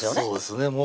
そうですね